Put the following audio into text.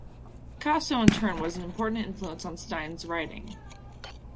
Picasso in turn was an important influence on Stein's writing.